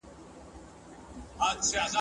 ماشومان د کاردستي له لارې نوي فکرونه زده کوي.